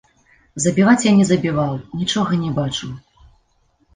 Забіваць я не забіваў, нічога не бачыў.